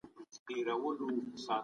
دا ماشین تر هغه بل قوي دی.